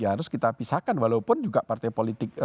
harus kita pisahkan walaupun juga partai politik